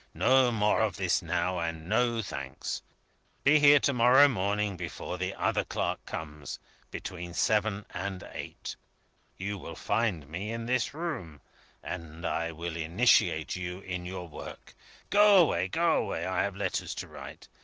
"No more of this now, and no thanks! Be here to morrow morning, before the other clerk comes between seven and eight. You will find me in this room; and I will myself initiate you in your work. Go away! go away! I have letters to write.